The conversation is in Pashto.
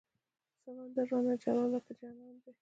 سمندر رانه جلا لکه جانان دی